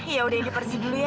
iya udah indi pergi dulu ya